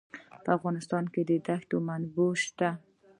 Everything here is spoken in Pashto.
په افغانستان کې د دښتې منابع شته.